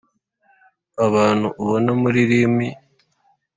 Abantu ubona muri limi .